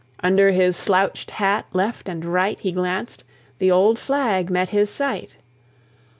Under his slouched hat left and right He glanced: the old flag met his sight.